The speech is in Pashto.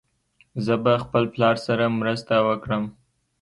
زه به خپل پلار سره مرسته وکړم.